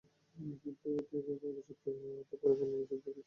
কিন্তু এটি একইভাবে সত্যি হতে পারে পাবলিক বিশ্ববিদ্যালয়ের কিছু শিক্ষকের ক্ষেত্রেও।